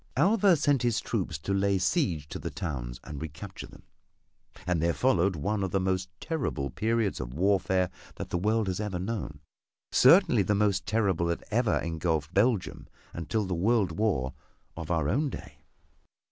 Alva sent his troops to lay siege to the towns and recapture them, and there followed one of the most terrible periods of warfare that the world has ever known certainly the most terrible that ever engulfed Belgium until the World War of our own day.